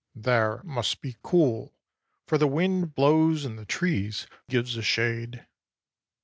There it must be cool, for the wind blows and the trees give a shade."